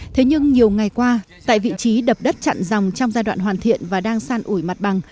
thế nhưng nhiều ngày qua tại vị trí đập đất chặn dòng trong giai đoạn hoàn thiện và đang san ủi mặt bằng